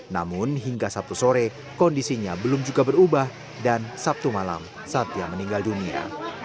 namun hingga sabtu sore kondisinya belum juga berubah dan sabtu malam satya meninggal dunia